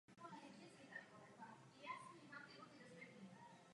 Zachován zůstal jenom pozdně barokní kostel a přilehlý hřbitov.